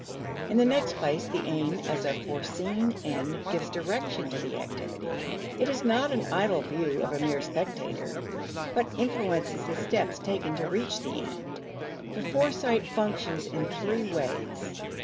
In the next place the aim as a foreseen end gives direction to the activity; it is not an idle view of a mere spectator, but influences the steps taken to reach the end. The foresight functions in three ways.